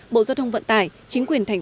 bộ giao thông vận tải chính quyền tp hà nội